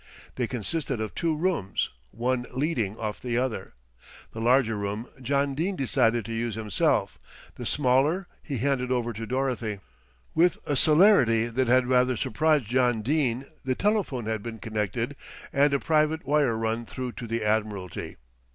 They consisted of two rooms, one leading off the other. The larger room John Dene decided to use himself, the smaller he handed over to Dorothy. With a celerity that had rather surprised John Dene the telephone had been connected and a private wire run through to the Admiralty.